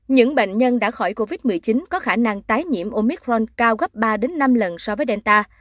những bệnh nhân đã khỏi covid một mươi chín có khả năng tái nhiễm omicron cao gấp ba năm lần so với delta